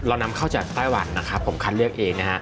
นำเข้าจากไต้หวันนะครับผมคัดเลือกเองนะฮะ